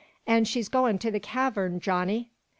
An' she's going to the cavern, Johnny!"